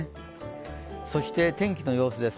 そして天気の様子です。